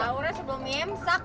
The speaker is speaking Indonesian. ya sahurnya sebelum imsak mah